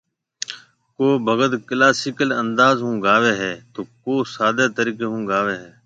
ڪو ڀگت ڪلاسيڪل انداز ھونگاوي هي تو ڪو سادي طريقي ھونگاوي هي